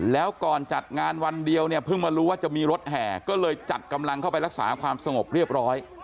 แล้วก่อนจัดงานวันเดียวเนี่ยเพิ่งมารู้ว่าจะมีรถแห่ก็เลยจัดกำลังเข้าไปรักษาความสงบเรียบร้อย